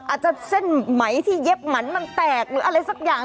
อาจจะเส้นไหมที่เย็บหมันมันแตกหรืออะไรสักอย่าง